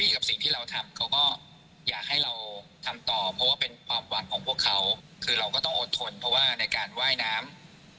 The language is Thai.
คือเราก็ต้องอดทนเพราะว่าในการว่ายน้ำ